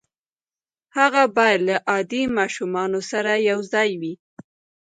هغه بايد له عادي ماشومانو سره يو ځای وي.